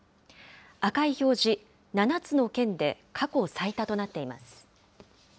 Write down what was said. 赤い表示、７つの県で過去最多となっています。